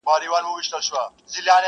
• نور مغروره سو لويي ځني کيدله..